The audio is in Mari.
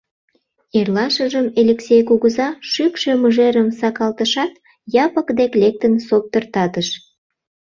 Эрлашыжым Элексей кугыза шӱкшӧ мыжерым сакалтышат, Япык дек лектын соптыртатыш.